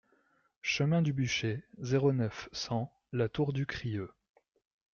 Chemin du Bûcher, zéro neuf, cent La Tour-du-Crieu